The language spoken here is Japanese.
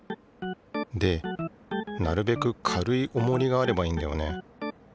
でなるべく軽いおもりがあればいいんだよね。